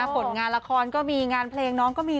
ผลงานละครก็มีงานเพลงน้องก็มี